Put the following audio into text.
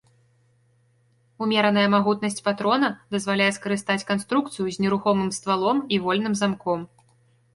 Умераная магутнасць патрона дазваляе скарыстаць канструкцыю з нерухомым ствалом і вольным замком.